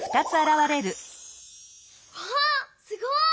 わっすごい！